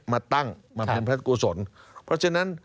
มาตั้งบำเพ็ญพระศักดิ์กุศลเพราะฉะนั้น